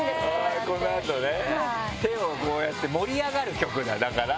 この後ね手をこうやって盛り上がる曲だだから。